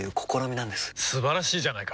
素晴らしいじゃないか！